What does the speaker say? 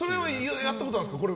やったことあるんですか？